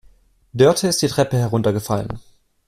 Dörte ist die Treppe heruntergefallen.